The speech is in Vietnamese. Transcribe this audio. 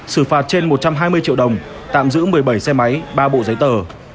xử phạt trên một trăm hai mươi triệu đồng tạm giữ một mươi bảy xe máy ba bộ giấy tờ